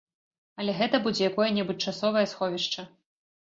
Але гэта будзе якое-небудзь часовае сховішча.